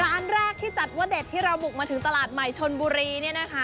ร้านแรกที่จัดวเดชที่เราบุกมาถึงตลาดใหม่ชนบุรี